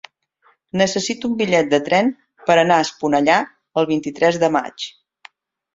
Necessito un bitllet de tren per anar a Esponellà el vint-i-tres de maig.